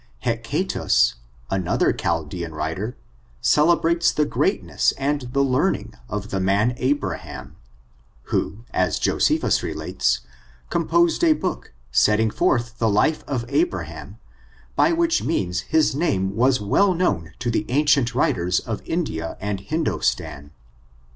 Hecatus, another Chaldean writer, celebrates the greatness and the learning of the man Abraham, who, as Josephus relates, composed a book, setting forth the life of Abraham, by which means his name was well known to the ancient writers of India and Hindostan.